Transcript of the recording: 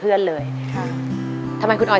ร้องได้ให้ร้อง